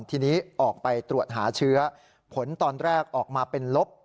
ทีนี้ออกไปตรวจหาเชื้อผลตอนแรกออกมาเป็นลบ